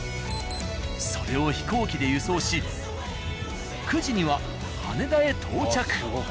それを飛行機で輸送し９時には羽田へ到着。